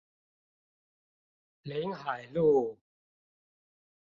臨海路